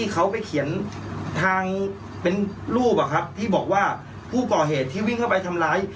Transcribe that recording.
เขาไปเขียนทางเป็นรูปที่บอกว่าผู้ก่อเหตุที่วิ่งเข้าไปทำร้าย